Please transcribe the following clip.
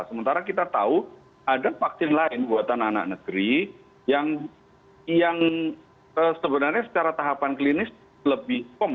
sementara kita tahu ada vaksin lain buatan anak negeri yang sebenarnya secara tahapan klinis lebih horm